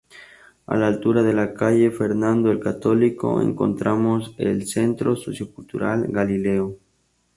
A la altura de la calle Fernando el Católico encontramos el Centro Socio-Cultural Galileo.